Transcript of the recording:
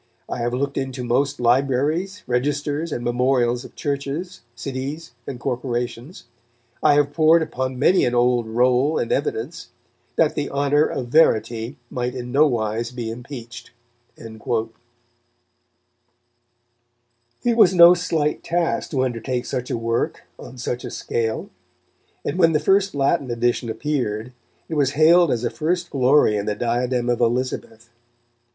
I have looked into most libraries, registers and memorials of churches, cities and corporations, I have pored upon many an old roll and evidence ... that the honour of verity might in no wise be impeached." It was no slight task to undertake such a work on such a scale. And when the first Latin edition appeared, it was hailed as a first glory in the diadem of Elizabeth.